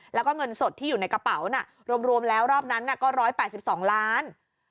แล้วก็เงินสดที่อยู่ในกระเป๋าน่ะรวมแล้วรอบนั้นก็๑๘๒ล้าน